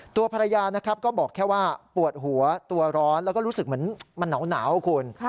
ตัวภรรยานะครับก็บอกแค่ว่าปวดหัวตัวร้อนแล้วก็รู้สึกเหมือนมันหนาวคุณ